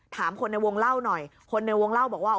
ถามคนในวงเล่าหน่อยคนในวงเล่าบอกว่า